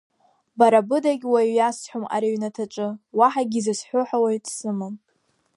Бара быдагь уаҩ иасҳәом ари аҩнаҭаҿы, уаҳагьы изасҳәо ҳәа уаҩ дсымам…